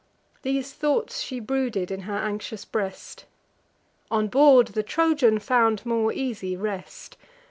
These thoughts she brooded in her anxious breast. On board, the Trojan found more easy rest.